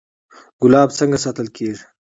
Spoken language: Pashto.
ګلاب څنګه ساتل کیږي؟